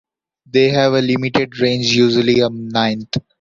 They have a limited range, usually a ninth.